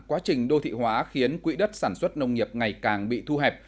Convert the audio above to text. quá trình đô thị hóa khiến quỹ đất sản xuất nông nghiệp ngày càng bị thu hẹp